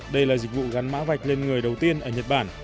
đây là dịch vụ gắn mã vạch lên người đầu tiên ở nhật bản